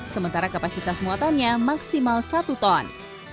sementara kapasitas muatannya maksimal satu ton